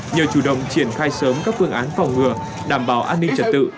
nhờ chủ động triển khai sớm các phương án phòng ngừa đảm bảo an ninh trật tự